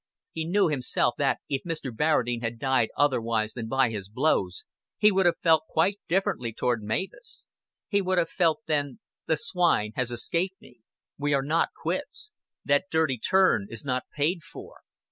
He knew himself that if Mr. Barradine had died otherwise than by his blows, he would have felt quite differently toward Mavis. He would have felt then "The swine has escaped me. We are not quits. That dirty turn is not paid for."